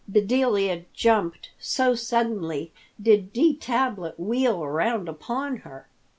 Bedelia jumped, so suddenly did D. Tablet wheel around upon her.